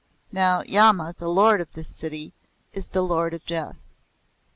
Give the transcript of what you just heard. Now, Yama, the Lord of this City, is the Lord of Death."